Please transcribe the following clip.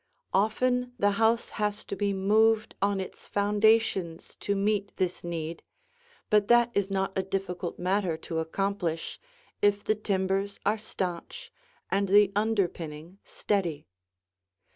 Often the house has to be moved on its foundations to meet this need, but that is not a difficult matter to accomplish, if the timbers are stanch and the underpinning steady.